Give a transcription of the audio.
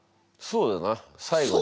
「そうだな」？